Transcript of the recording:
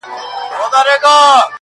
شماره هغه بس چي خوی د سړو راوړي,